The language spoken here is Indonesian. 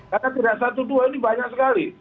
karena tidak satu dua ini banyak sekali